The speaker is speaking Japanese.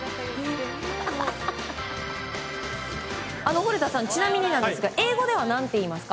古田さんちなみにですが英語では何て言いますか？